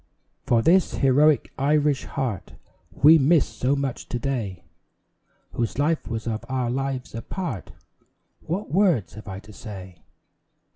For this heroic Irish heart We miss so much to day, Whose life was of our lives a part, What words have I to say?